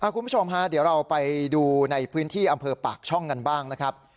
คุณผู้ชมฮะเดี๋ยวเราไปดูในพื้นที่อำเภอปากช่องกันบ้างนะครับ